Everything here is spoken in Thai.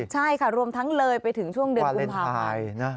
ใช่ค่ะรวมทั้งเลยไปถึงช่วงเดือนคุณพากร